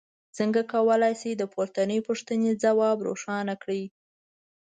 څنګه کولی شئ د پورتنۍ پوښتنې ځواب روښانه کړئ.